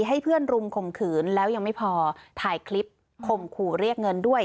ให้เพื่อนรุมข่มขืนแล้วยังไม่พอถ่ายคลิปข่มขู่เรียกเงินด้วย